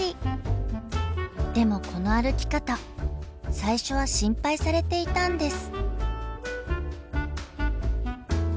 でもこの歩き方最初は心配されていたんです。